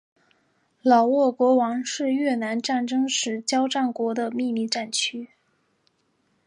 老挝王国是越南战争时交战国的秘密战区。